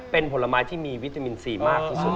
เป็นผลไม้ที่มีวิตามินซีมากที่สุด